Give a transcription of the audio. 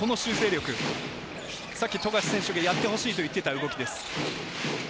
この修正力、さっき富樫選手がやってほしいと言っていた動きです。